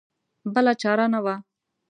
بله چاره نه وه.